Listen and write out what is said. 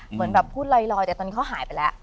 เหมือนแบบพูดลอยแต่ตอนนี้เขาหายไปแล้ว